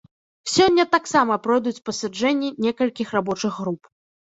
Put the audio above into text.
Сёння таксама пройдуць пасяджэнні некалькіх рабочых груп.